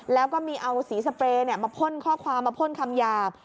แล้วก็มีเอาสีสเปรย์มาพ่นข้อความมาพ่นคำหยาบ